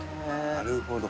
なるほど。